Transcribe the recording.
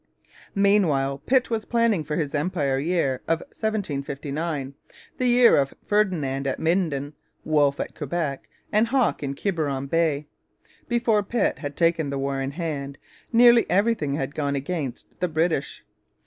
Meanwhile Pitt was planning for his Empire Year of 1759, the year of Ferdinand at Minden, Wolfe at Quebec, and Hawke in Quiberon Bay. Before Pitt had taken the war in hand nearly everything had gone against the British.